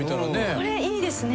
これいいですね。